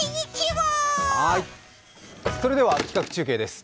それでは企画中継です。